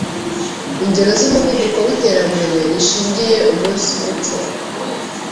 Ingero z’umuvuduko w’íterambere rishingiye umunsi muco: